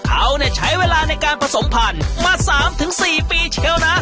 เขาใช้เวลาในการผสมพันธุ์มา๓๔ปีเชียวนะ